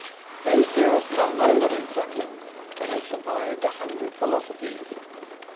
They hear a song older than Suckling's, that has survived a hundred philosophies.